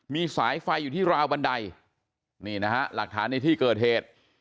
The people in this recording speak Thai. มีสายไฟอยู่ที่ราวบันไดนี่นะฮะหลักฐานในที่เกิดเหตุ